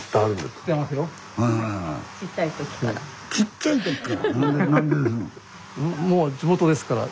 ちっちゃい時から？